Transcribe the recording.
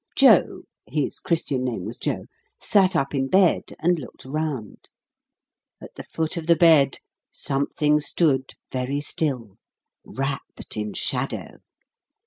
Joe (his Christian name was Joe) sat up in bed, and looked around. At the foot of the bed something stood very still, wrapped in shadow.